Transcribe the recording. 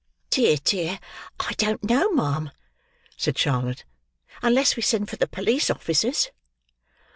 "Dear, dear! I don't know, ma'am," said Charlotte, "unless we send for the police officers."